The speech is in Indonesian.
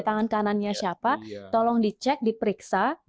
tangan kanannya siapa tolong dicek diperiksa